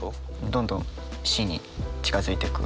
どんどん死に近づいていく。